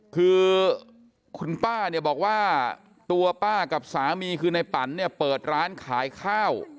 คือคุณป้าเนี่ยบอกว่าตัวป้ากับสามีคือในปันเนี่ยเปิดร้านขายข้าว